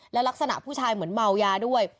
และลักษณะผู้ชายเหมือนเมายาด้วย